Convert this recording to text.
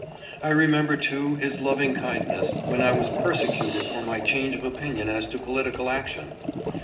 I remember, too, his lovingkindness when I was perse cuted for my change of opinion as to political action.